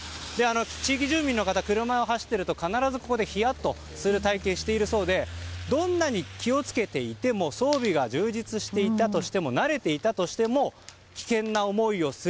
地域住民の方、車が走っていると必ず、ここでひやっとする体験をしているそうでどんなに気を付けていても装備が充実していたとしても慣れていたとしても危険な思いをする。